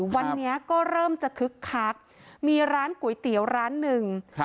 วันนี้ก็เริ่มจะคึกคักมีร้านก๋วยเตี๋ยวร้านหนึ่ง